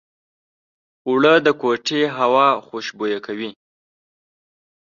اوړه د کوټې هوا خوشبویه کوي